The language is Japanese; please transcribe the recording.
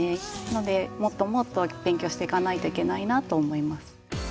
なのでもっともっと勉強していかないといけないなと思います。